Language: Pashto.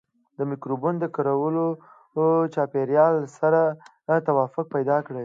مکروبونه د کرلو چاپیریال سره توافق پیدا کوي.